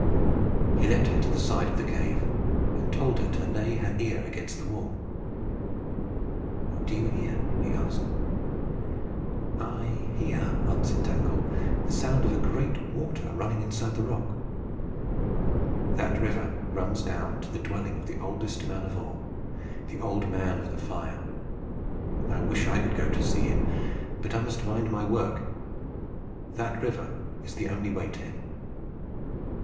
He led her to the side of the cave, and told her to lay her ear against the wall. "What do you hear?" he asked. "I hear," answered Tangle, "the sound of a great water running inside the rock." "That river runs down to the dwelling of the oldest man of all the Old Man of the Fire. I wish I could go to see him. But I must mind my work. That river is the only way to him."